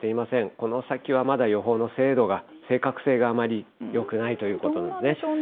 この先はまだ予報の精度が、正確性があまりよくないということですね。